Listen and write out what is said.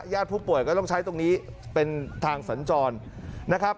ญาติผู้ป่วยก็ต้องใช้ตรงนี้เป็นทางสัญจรนะครับ